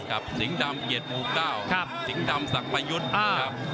กับสิงห์ดามเหยียดวูกล้าวสิงห์ดามสักประยุทธ์